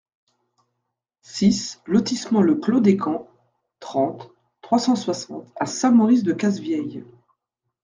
six lotissement le Clos des Camps, trente, trois cent soixante à Saint-Maurice-de-Cazevieille